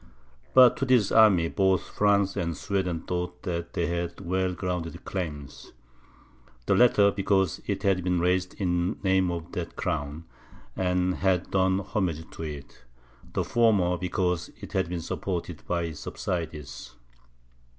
But to this army, both France and Sweden thought that they had well grounded claims; the latter, because it had been raised in name of that crown, and had done homage to it; the former, because it had been supported by its subsidies.